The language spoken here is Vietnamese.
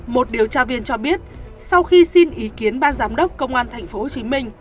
một điều tra viên cho biết sau khi xin ý kiến ban giám đốc công an tp hcm